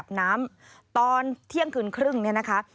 สวัสดีค่ะสวัสดีค่ะ